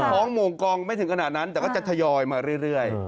ท้องโมงกองไม่ถึงขนาดนั้นแต่ก็จะทยอยมาเรื่อย